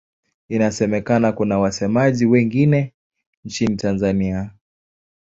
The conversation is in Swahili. Inasemekana kuna wasemaji wengine nchini Tanzania.